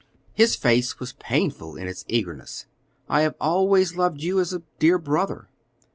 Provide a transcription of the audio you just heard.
His face was painful in its eagerness. "I have always loved you as a dear brother."